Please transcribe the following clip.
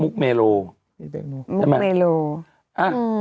มุกเมโลใช่ไหมอืม